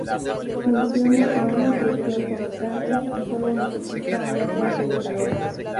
Funciona a una presión constante, y solo necesita una fuente de calor.